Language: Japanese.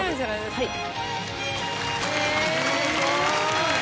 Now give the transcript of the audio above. はい。